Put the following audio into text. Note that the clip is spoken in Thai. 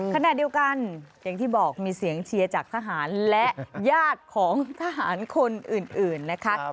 ขณะเดียวกันอย่างที่บอกมีเสียงเชียร์จากทหารและญาติของทหารคนอื่นนะคะ